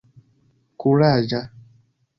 kuraĝa